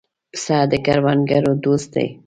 پسه د کروندګرو دوست دی.